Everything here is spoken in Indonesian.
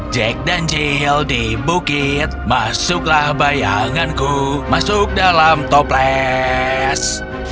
jack dan jil di bukit masuklah bayanganku masuk dalam toples